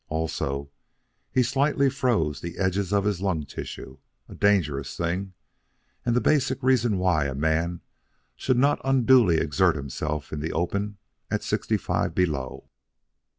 Also he slightly froze the edges of his lung tissues a dangerous thing, and the basic reason why a man should not unduly exert himself in the open at sixty five below.